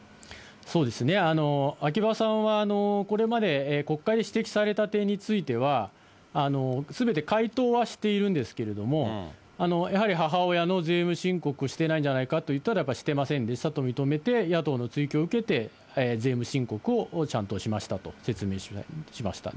そうですね、秋葉さんはこれまで国会で指摘された点については、すべて回答はしているんですけれども、やはり母親の税務申告してないんじゃないかと言ったら、してませんでしたと認めて、野党の追及を受けて、税務申告をちゃんとしましたと説明しました。